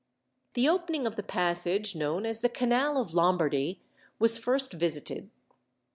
The opening of the passage known as the Canal of Lombardy was first visited.